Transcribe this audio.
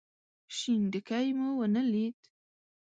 شين ډکی مو ونه ليد.